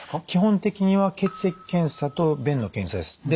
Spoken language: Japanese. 基本的には血液検査と便の検査です。